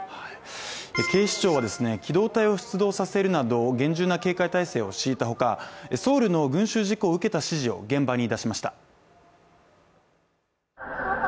警視庁は機動隊を出動させるなど厳重な警戒態勢を敷いたほかソウルの群集事故を受けた指示を現場に出しました。